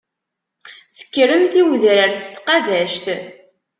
Tekkremt i wedrar s tqabact.